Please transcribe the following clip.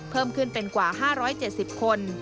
เพิ่มขึ้นเป็นกว่า๕๗๐คน